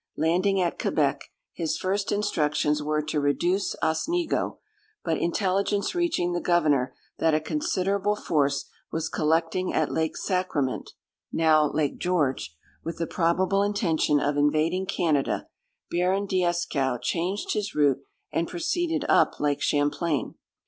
Landing at Quebec, his first instructions were to reduce Osnego, but intelligence reaching the Governor that a considerable force was collecting at Lake Sacrament (now Lake George) with the probable intention of invading Canada, Baron Dieskau changed his route, and proceeded up Lake Champlain.